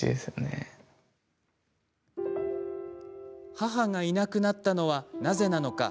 母がいなくなったのはなぜなのか。